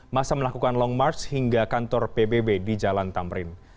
masa melakukan long march hingga kantor pbb di jalan tamrin